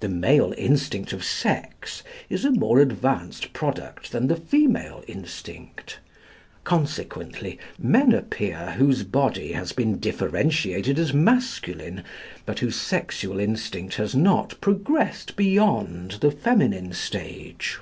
The male instinct of sex is a more advanced product than the female instinct. Consequently men appear whose body has been differentiated as masculine, but whose sexual instinct has not progressed beyond the feminine stage.